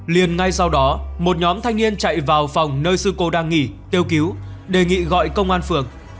liền ngay sau đó một nhóm thanh niên chạy vào phòng nơi sư cô đang nghỉ tiêu cứu đề nghị gọi công an phường